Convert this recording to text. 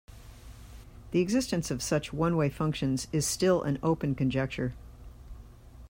The existence of such one-way functions is still an open conjecture.